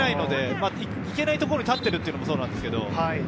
いけないところに立っているっていうところもそうなんですけど。